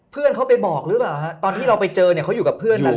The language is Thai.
เพื่อนเขาไปบอกหรือเปล่าฮะตอนที่เราไปเจอเนี่ยเขาอยู่กับเพื่อนกันเลย